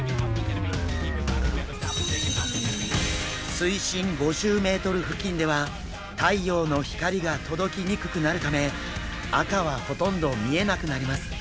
水深５０ｍ付近では太陽の光が届きにくくなるため赤はほとんど見えなくなります。